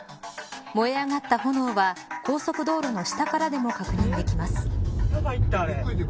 燃え上がった炎は高速道路の下からでも確認できます。